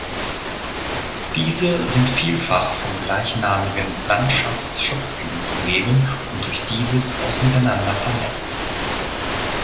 Diese sind vielfach vom gleichnamigen Landschaftsschutzgebiet umgeben und durch dieses auch miteinander vernetzt.